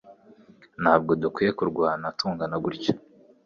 Ntabwo dukwiye kurwana tungana gutya